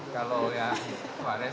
kalau yang kemarin